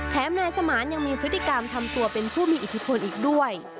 นายสมานยังมีพฤติกรรมทำตัวเป็นผู้มีอิทธิพลอีกด้วย